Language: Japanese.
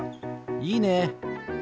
いいね！